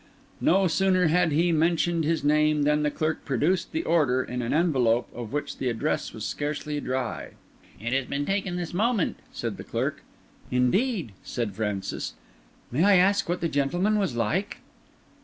No sooner had he mentioned his name than the clerk produced the order in an envelope of which the address was scarcely dry. "It has been taken this moment," said the clerk. "Indeed!" said Francis. "May I ask what the gentleman was like?"